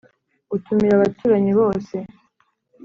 utumira abaturanyi bose